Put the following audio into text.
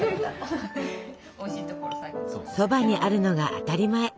そばにあるのが当たり前。